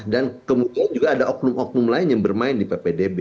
dan kemudian juga ada oknum oknum lain yang bermain di ppdb